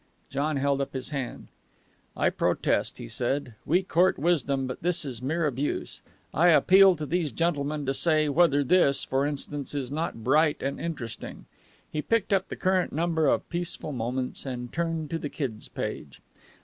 John held up his hand. "I protest," he said. "We court criticism, but this is mere abuse. I appeal to these gentlemen to say whether this, for instance, is not bright and interesting." He picked up the current number of Peaceful Moments, and turned to the Kid's page.